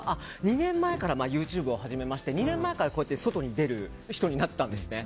２年前からＹｏｕＴｕｂｅを始めて２年前から外に出る人になったんですね。